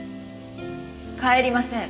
帰りません。